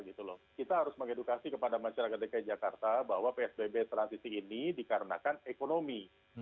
kita harus mengedukasi kepada masyarakat dki jakarta bahwa psbb transisi ini dikarenakan ekonomi